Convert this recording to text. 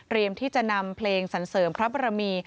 ที่จะนำเพลงสันเสริมพระบรมี